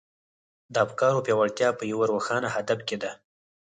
د افکارو پياوړتيا په يوه روښانه هدف کې ده.